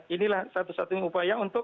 inilah satu satunya upaya untuk